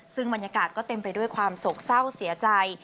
ซึ่งบรรยากาศก็เต็มไปด้วยความโศกเศร้าเสียใจ